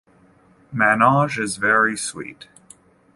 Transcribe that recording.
Manoj is very sweet.